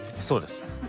そうです。